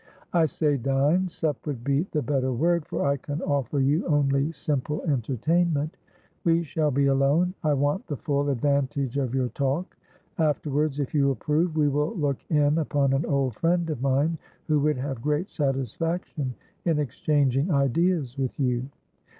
"I say dine; sup would be the better word, for I can offer you only simple entertainment. We shall be alone; I want the full advantage of your talk. Afterwards, if you approve, we will look in upon an old friend of mine who would have great satisfaction in exchanging ideas with you.